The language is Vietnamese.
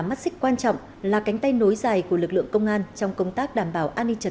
mắt xích quan trọng là cánh tay nối dài của lực lượng công an trong công tác đảm bảo an ninh trật